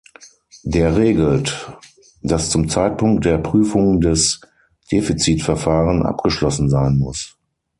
Der regelt, dass zum Zeitpunkt der Prüfung das Defizitverfahren abgeschlossen sein muss.